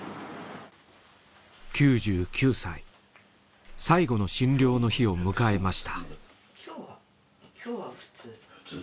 ９９歳最後の診療の日を迎えました。